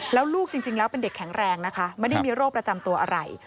แล้วลูกจริงแล้วเป็นเด็กแข็งแรงนะคะไม่ได้มีโรคประจำตัวอะไร